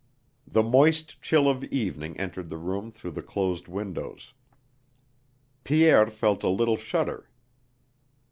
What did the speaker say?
The moist chill of evening entered the room through the closed windows. Pierre felt a little shudder.